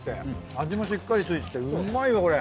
味もしっかりついててうまいわこれ。